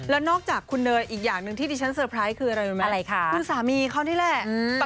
แล้วนอกจากคุณเนยอีกอย่างหนึ่งที่ดิฉันเตอร์ไพรส์คืออะไรรู้ไหมอะไรคะคุณสามีเขานี่แหละ